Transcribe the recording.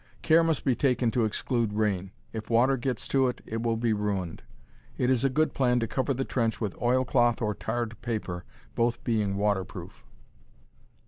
Care must be taken to exclude rain. If water gets to it it will be ruined. It is a good plan to cover the trench with oilcloth or tarred paper, both being waterproof.